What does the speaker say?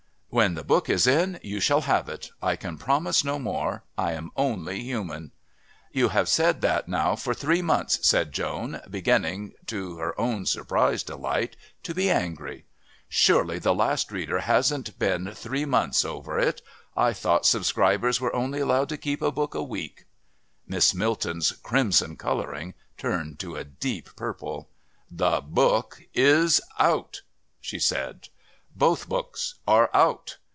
When the book is in you shall have it. I can promise no more. I am only human." "You have said that now for three months," said Joan, beginning, to her own surprised delight, to be angry. "Surely the last reader hasn't been three months over it. I thought subscribers were only allowed to keep a book a week." Miss Milton's crimson colouring turned to a deep purple. "The book is out," she said. "Both books are out.